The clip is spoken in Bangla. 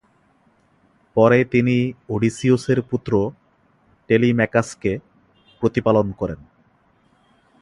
পরে তিনি ওডিসিউসের পুত্র টেলিম্যাকাসকে প্রতিপালন করেন।